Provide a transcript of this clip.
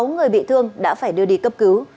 sáu người bị thương đã phải đưa đi cấp cứu